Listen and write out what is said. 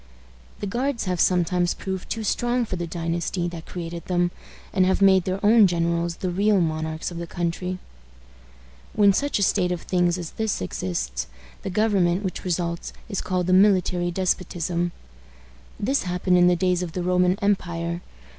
The guards have sometimes proved too strong for the dynasty that created them, and have made their own generals the real monarchs of the country. When such a state of things as this exists, the government which results is called a military despotism. This happened in the days of the Roman empire.